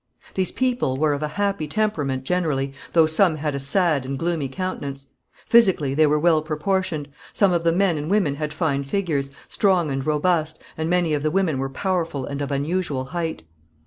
These people were of a happy temperament generally, though some had a sad and gloomy countenance. Physically they were well proportioned. Some of the men and women had fine figures, strong and robust, and many of the women were powerful and of unusual height.